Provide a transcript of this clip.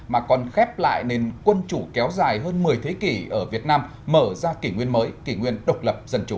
mà còn khép lại nền quân chủ kéo dài hơn một mươi thế kỷ ở việt nam mở ra kỷ nguyên mới kỷ nguyên độc lập dân chủ